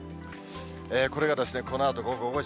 これがこのあと午後５時。